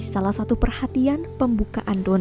salah satu perhatian pembukaan rumah ini